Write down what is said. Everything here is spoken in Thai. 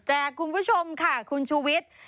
แจกคุณผู้ชมค่ะคุณชูวิต